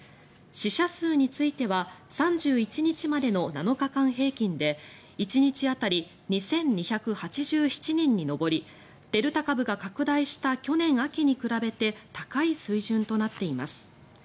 死者数については３１日までの７日間平均で１日当たり２２８７人に上りデルタ株が拡大した去年秋に比べて高い水準となっています。